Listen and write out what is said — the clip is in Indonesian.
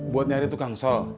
buat nyari tukang shol